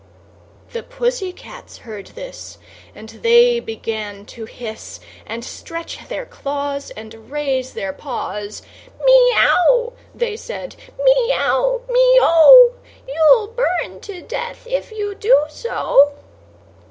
The pussy cats heard this, And they began to hiss, And stretch their claws, And raise their paws; "Me ow," they said, "me ow, me o, You'll burn to death, if you do so."